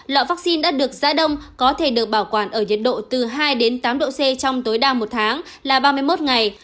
loại vaccine đã được giã đông có thể được bảo quản ở nhiệt độ từ hai đến tám độ c trong tối đa một tháng là ba mươi một ngày